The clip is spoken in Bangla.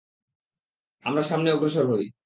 আমরা সামনে অগ্রসর হই।